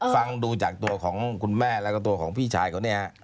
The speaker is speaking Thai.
ฟังดูจากตัวของคุณแม่แล้วก็ตัวของพี่ชายเขาเนี่ย